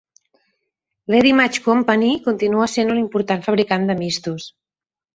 L'Eddy Match Company continua sent una important fabricant de mistos.